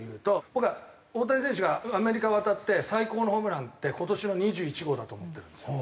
僕は大谷選手がアメリカ渡って最高のホームランって今年の２１号だと思ってるんですよ。